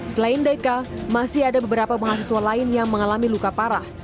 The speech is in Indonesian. selain deka masih ada beberapa mahasiswa lain yang mengalami luka parah